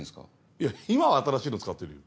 いや今は新しいの使ってるよ。